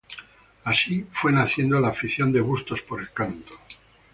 Así fue naciendo la afición de Bustos por el canto.